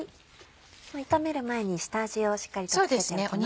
炒める前に下味をしっかりと付けておきます。